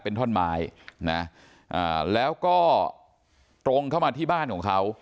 เป็นท่อนไม้นะแล้วก็ตรงเข้ามาที่บ้านของเขา